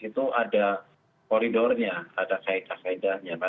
itu ada koridornya ada kaedah kaedahnya